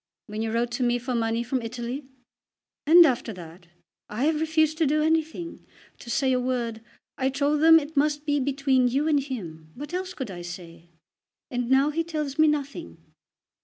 "When you wrote to me for money from Italy?" "And after that. I have refused to do anything; to say a word. I told him that it must be between you and him. What else could I say? And now he tells me nothing."